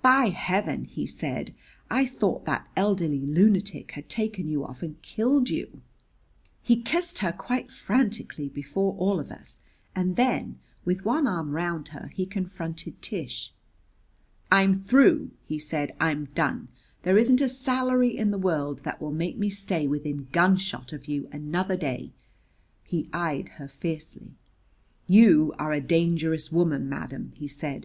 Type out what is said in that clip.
"By Heaven," he said, "I thought that elderly lunatic had taken you off and killed you!" He kissed her quite frantically before all of us; and then, with one arm round her, he confronted Tish. "I'm through!" he said. "I'm done! There isn't a salary in the world that will make me stay within gunshot of you another day." He eyed her fiercely. "You are a dangerous woman, madam," he said.